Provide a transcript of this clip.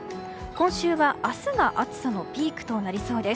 今週は明日が暑さのピークとなりそうです。